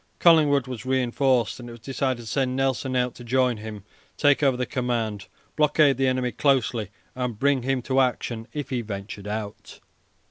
Collingwood was reinforced, and it was decided to send Nelson out to join him, take over the command, blockade the enemy closely, and bring him to action if he ventured out.